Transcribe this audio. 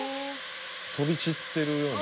飛び散ってるような。